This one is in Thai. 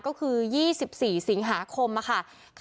ก็คือ๒๔สิงหาคมค่ะ